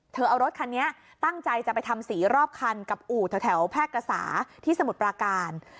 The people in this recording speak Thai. เอารถคันนี้ตั้งใจจะไปทำสีรอบคันกับอู่แถวแพร่กษาที่สมุทรปราการ